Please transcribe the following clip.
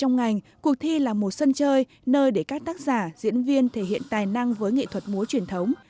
trong ngành cuộc thi là một sân chơi nơi để các tác giả diễn viên thể hiện tài năng với nghệ thuật múa truyền thống